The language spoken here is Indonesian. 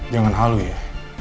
jangan halu ya